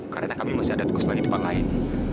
karena kita masih ada tukang selagi di tempat lain